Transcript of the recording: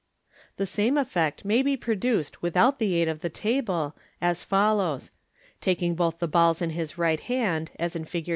The same effect may be produced without the aid of the table, at follows t — Taking both the balls in his right hand, as in Fig.